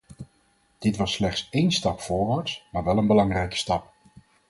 Dit was slechts één stap voorwaarts, maar wel een belangrijke stap.